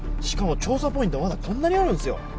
しかも調査ポイントまだこんなにあるんですよ